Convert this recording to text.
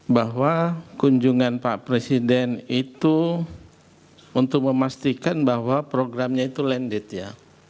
bahwa kunjungan pak presiden itu untuk memastikan bahwa programnya itu landed ya